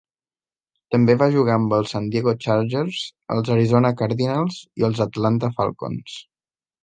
També va jugar amb els San Diego Chargers, els Arizona Cardinals i els Atlanta Falcons.